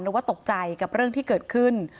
ว่าตกใจกับเรื่องที่เกิดขึ้น